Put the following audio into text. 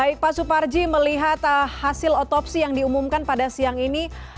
baik pak suparji melihat hasil otopsi yang diumumkan pada siang ini